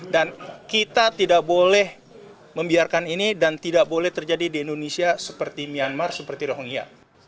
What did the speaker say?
dan kita tidak boleh membiarkan ini dan tidak boleh terjadi di indonesia seperti myanmar seperti rohingya